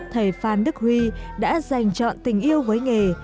thầy phan đức huy đã dành chọn tình yêu với nghề